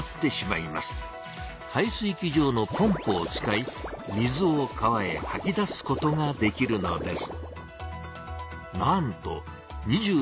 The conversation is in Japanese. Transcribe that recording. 排水機場のポンプを使い水を川へはき出すことができるのです。